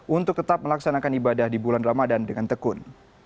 untuk tetap melaksanakan ibadah di bulan ramadan dengan tekun